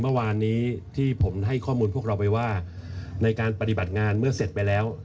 เมื่อวานนี้ที่ผมให้ข้อมูลพวกเราไปว่าในการปฏิบัติงานเมื่อเสร็จไปแล้ว